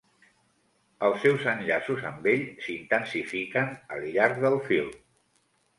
Els seus enllaços amb ell s'intensifiquen al llarg del film.